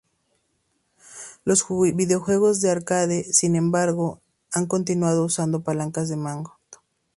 Los videojuegos de Arcade, sin embargo, han continuado usando palancas de mando.